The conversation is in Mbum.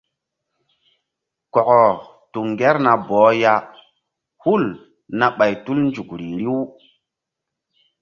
Kɔkɔ tu ŋgerna bɔh ya hul na ɓay tul nzukri riw.